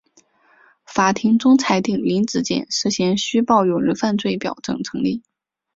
法庭终裁定林子健涉嫌虚报有人犯罪表证成立。